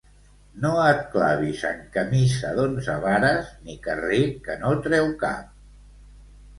No et clavis en camisa d'onze vares ni carrer que no treu cap.